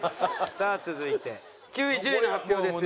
さあ続いて９位１０位の発表です。